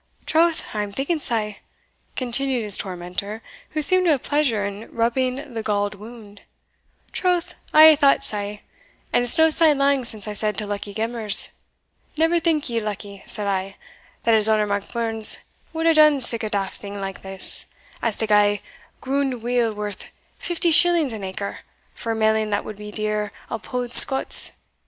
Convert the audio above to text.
"Troth, I am thinking sae," continued his tormentor, who seemed to have pleasure in rubbing the galled wound, "troth, I aye thought sae; and it's no sae lang since I said to Luckie Gemmers, Never think you, luckie' said I, that his honour Monkbarns would hae done sic a daft like thing as to gie grund weel worth fifty shillings an acre, for a mailing that would be dear o'a pund Scots.